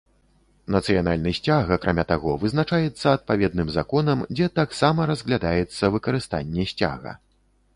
Нацыянальны сцяг, акрамя таго, вызначаецца адпаведным законам, дзе таксама разглядаецца выкарыстанне сцяга.